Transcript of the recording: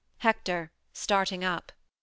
HECTOR [starting up].